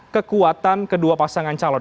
kekuatan kedua pasangan calon